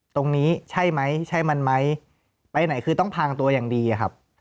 ตรงนี้ใช่ไหมใช่มันไหมไปไหนคือต้องพังตัวอย่างดีอะครับ